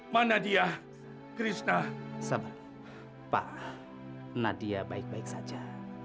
pak nadia baik baik saja